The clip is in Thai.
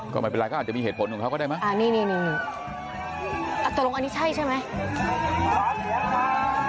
ก็ไม่เป็นไรก็อาจจะมีเหตุผลของเขาก็ได้ไหมอ่านี่ตกลงอันนี้ใช่ใช่ไหม